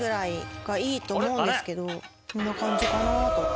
こんな感じかなと。